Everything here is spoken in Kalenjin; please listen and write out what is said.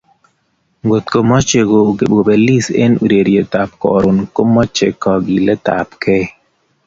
Ngotkomachei kobelis eng urereitab ab Karon komochei kogiletabnkei